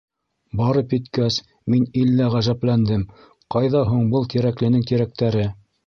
Барып еткәс, мин иллә ғәжәпләндем: ҡайҙа һуң был Тирәкленең тирәктәре?